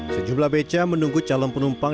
sejumlah beca menunggu calon penumpang